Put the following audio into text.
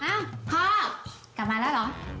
พ่อกลับมาแล้วเหรอ